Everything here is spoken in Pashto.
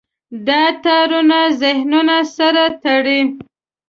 دا تارونه ذهنونه سره تړي.